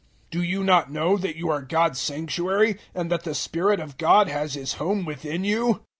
003:016 Do you not know that you are God's Sanctuary, and that the Spirit of God has His home within you?